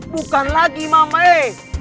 bukan lagi mamai